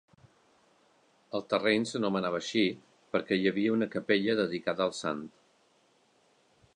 El terreny s'anomenava així perquè hi havia una capella dedicada al sant.